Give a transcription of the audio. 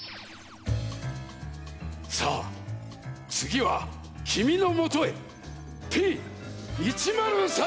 さあつぎはきみのもとへＰ１０３！